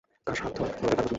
কার সাধ্য রোধে তার গতি।